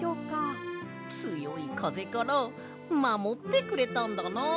つよいかぜからまもってくれたんだな。